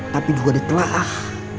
tapi juga dikelah